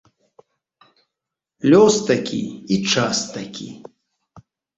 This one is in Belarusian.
Лёс такі і час такі.